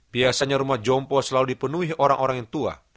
biasanya rumah jompo selalu dipenuhi orang orang tua